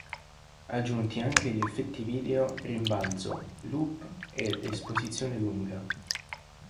Aggiunti anche gli effetti video "rimbalzo", "loop" ed "esposizione lunga".